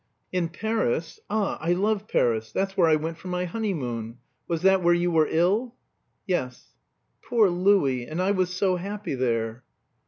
"In Paris? Ah, I love Paris! That's where I went for my honeymoon. Was that where you were ill?" "Yes." "Poor Louis! And I was so happy there."